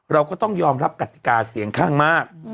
เราก็ต้องยอมรับกติกาเสียงข้างมาก